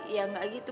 ya gak gitu